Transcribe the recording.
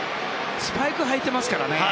スパイク履いてますからね。